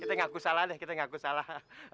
kita ngaku salah deh kita ngaku salah